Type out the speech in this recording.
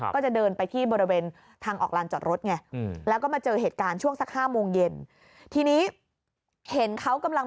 ก็จะเดินไปที่บริเวณทางออกลานจอดรถไงแล้วก็มาเจอเหตุการณ์ช่วงสัก๕โมงเย็นทีนี้เห็นเขากำลัง